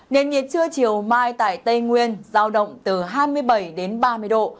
nền nhiệt trưa chiều mai tại tây nguyên giao động từ hai mươi bảy đến ba mươi độ